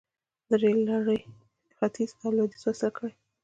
د ریل لارې ختیځ او لویدیځ وصل کړل.